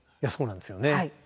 そうなんですよね。